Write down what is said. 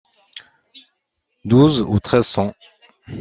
Douze ou treize cents.